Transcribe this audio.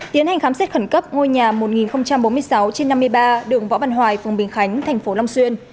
tiến hành khám xét khẩn cấp ngôi nhà một nghìn bốn mươi sáu trên năm mươi ba đường võ văn hoài phòng bình khánh tp long xuyên